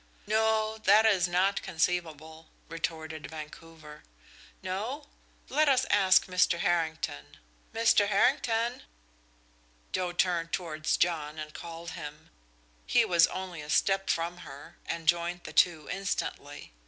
"No that is not conceivable," retorted Vancouver. "No? Let us ask Mr. Harrington. Mr. Harrington!" Joe turned towards John and called him. He was only a step from her, and joined the two instantly.